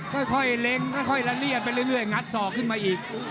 ไม่ค่อยเร่งไม่ค่อยระเลียนไปเรื่อยึ่งัดต่อขึ้นมาอีก